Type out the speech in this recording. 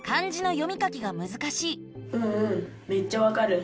うんうんめっちゃわかる。